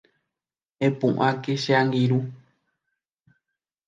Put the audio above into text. Epu'ãke che angirũ